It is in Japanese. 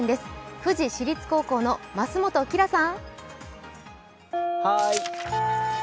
富士市立高校の増本綺良さん。